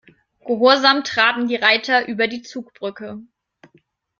Gehorsam traben die Reiter über die Zugbrücke.